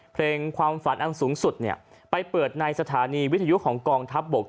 เพลงความฝันอันสูงสุดเนี่ยไปเปิดในสถานีวิทยุของกองทัพบก